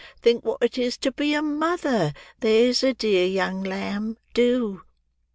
Think what it is to be a mother, there's a dear young lamb do."